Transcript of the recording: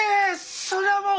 そりゃあもう。